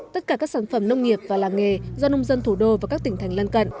tất cả các sản phẩm nông nghiệp và làng nghề do nông dân thủ đô và các tỉnh thành lân cận